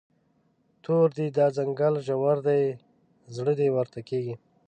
تور دی، دا ځنګل ژور دی، زړه دې ورته کیږي